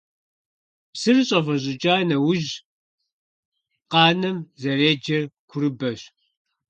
Псыр щIэвэщIыкIа нэужь къанэм зэреджэр курыбэщ.